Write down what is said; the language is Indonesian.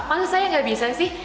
maksud saya gak bisa sih